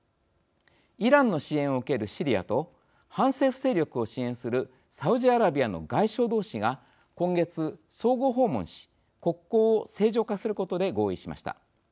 イランの支援を受けるシリアと反政府勢力を支援するサウジアラビアの外相同士が今月、相互訪問し国交を正常化することで合意しました。